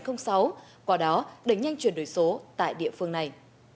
qua đó đẩy nhanh chuyển đổi số tại địa phương này